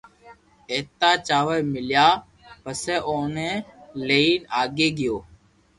ايتا چاور ميليا پسو اوني لئين آگي گيو